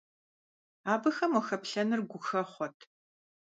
Абыхэм уахэплъэныр гухэхъуэт!